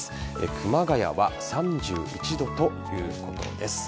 熊谷は３１度ということです。